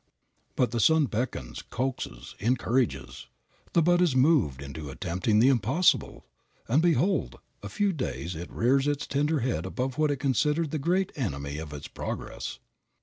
But the sun beckons, coaxes, encourages. The bud is moved into attempting the "impossible," and behold, in a few days it rears its tender head above what it considered the great enemy of its progress.